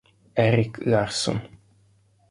Erik Larsson